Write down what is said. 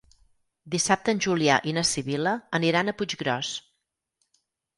Dissabte en Julià i na Sibil·la aniran a Puiggròs.